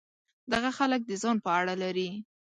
دغه خلک د ځان په اړه لري.